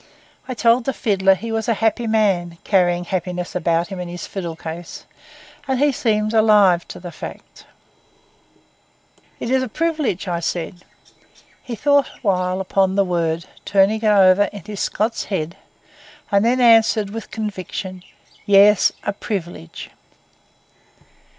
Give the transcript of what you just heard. I told the fiddler he was a happy man, carrying happiness about with him in his fiddle case, and he seemed alive to the fact. 'It is a privilege,' I said. He thought a while upon the word, turning it over in his Scots head, and then answered with conviction, 'Yes, a privilege.